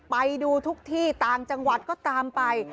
ไปดูทุกที่ต่างจังหวัดก็ตามไป